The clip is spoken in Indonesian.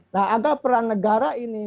nah ada peran negara ini